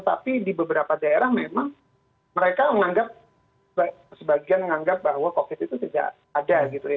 tapi di beberapa daerah memang mereka menganggap bahwa covid itu tidak ada